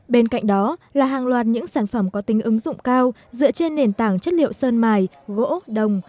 bên cạnh đó là hàng loạt những sản phẩm có tính ứng dụng cao dựa trên nền tảng chất liệu sơn mài gỗ đồng